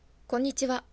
こんにちは。